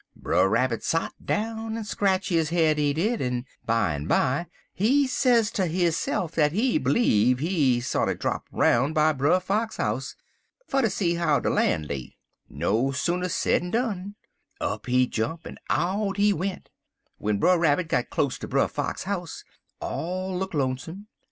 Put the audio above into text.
Brer Rabbit sot down en scratch his head, he did, en bimeby he say ter hisse'f dat he b'leeve he sorter drap 'roun' by Brer Fox house fer ter see how de lan' lay. No sooner said'n done. Up he jump, en out he went. W'en Brer Rabbit got close ter Brer Fox house, all look lonesome.